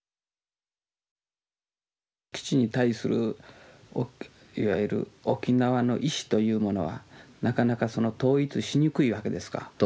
基地に対するいわゆる沖縄の意思というものはなかなか統一しにくいわけですか。と思いますね。